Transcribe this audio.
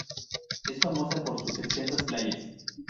Es famosa por sus extensas playas.